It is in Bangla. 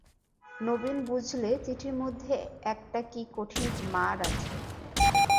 নবীন বুঝলে চিঠির মধ্যে একটা কী কঠিন মার আছে।